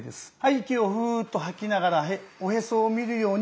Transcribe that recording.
息をフーッと吐きながらおへそを見るように縮めていきます。